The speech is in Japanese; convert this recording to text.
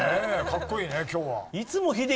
かっこいいね今日は。